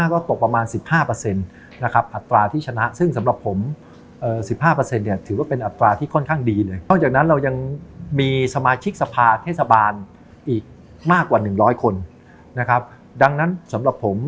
ก็ตกประมาณ๑๕นะครับอัตราที่ชนะซึ่งสำหรับผม๑๕เนี่ยถือว่าเป็นอัตราที่ค่อนข้างดีเลยนอกจากนั้นเรายังมีสมาชิกสภาเทศบาลอีกมากกว่า๑๐๐คนนะครับดังนั้นสำหรับผม